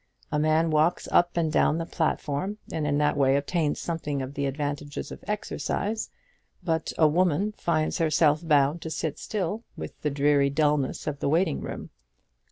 A man walks up and down the platform, and in that way obtains something of the advantage of exercise; but a woman finds herself bound to sit still within the dreary dulness of the waiting room.